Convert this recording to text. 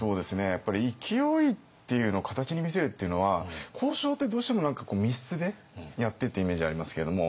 やっぱり勢いっていうのを形に見せるっていうのは交渉ってどうしても何か密室でやってっていうイメージありますけれども。